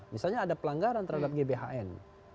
misalnya ada pelanggaran terhadap gbhn